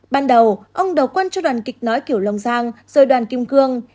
ban đầu ông đầu quân cho đoàn kịch nói kiểu long giang rồi đoàn kim cương